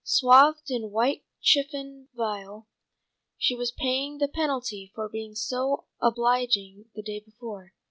Swathed in a white chiffon veil, she was paying the penalty for being so obliging the day before.